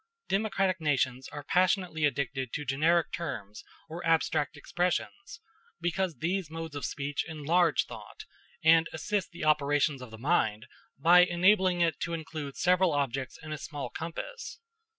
Democratic nations are passionately addicted to generic terms or abstract expressions, because these modes of speech enlarge thought, and assist the operations of the mind by enabling it to include several objects in a small compass.